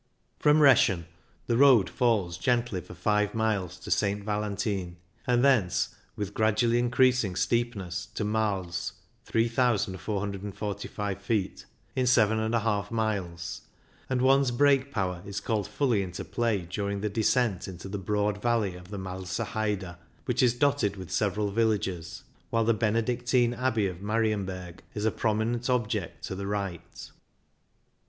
From Reschen the road falls gently for five miles to St Valentin, and thence with gradually increasing steepness to Mais (3,445 ft.) in 7^ miles, and one's brake power is called fully into play during the descent into the broad valley of the Malser Heide, which is dotted with several vil lages, while the Benedictine Abbey of Marienberg is a prominent object to the right.